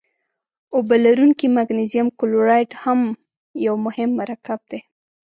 اوبه لرونکی مګنیزیم کلورایډ هم یو مهم مرکب دی.